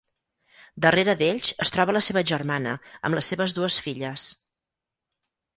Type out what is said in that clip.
Darrere d'ells es troba la seva germana, amb les seves dues filles.